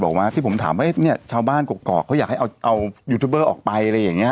บอกว่าที่ผมถามว่าชาวบ้านกรกเขาอยากให้เอายูทูบเบอร์ออกไป